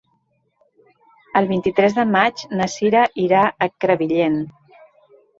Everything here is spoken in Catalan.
El vint-i-tres de maig na Cira irà a Crevillent.